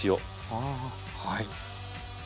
ああはい。